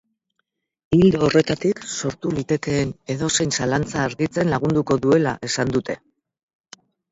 Ildo horretatik, sortu litekeen edozein zalantza argitzen lagunduko duela esan dute.